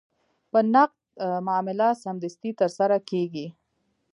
په نقد معامله سمدستي ترسره کېږي.